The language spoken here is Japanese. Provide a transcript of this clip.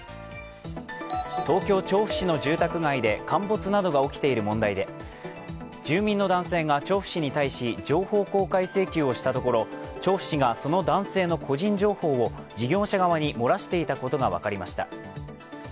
東京・調布市の住宅街で陥没などが起きている問題で住民の男性が調布市に対して情報公開請求をしたところ調布市が、その男性の個人情報を事業者側に漏らしていたことが分かりました。